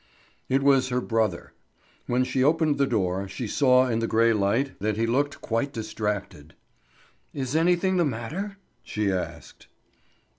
It was her brother. When she opened the door, she saw in the grey light that he looked quite distracted. "Is anything the matter?" she asked.